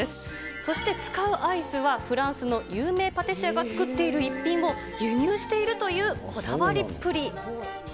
そして使うアイスは、フランスの有名パティシエが作っている逸品を輸入しているというこだわりっぷり。